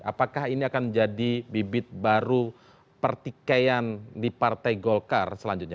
apakah ini akan jadi bibit baru pertikaian di partai golkar selanjutnya